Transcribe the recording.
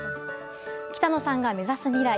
北野さんが目指す未来。